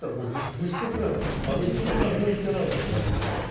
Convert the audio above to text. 実際的には丸１というのは何も言っていないのと同じですよ